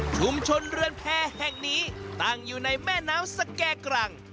เรือนแพรแห่งนี้ตั้งอยู่ในแม่น้ำสแก่กรัง